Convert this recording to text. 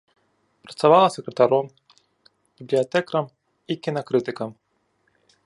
Працавала сакратаром, бібліятэкарам і кінакрытыкам.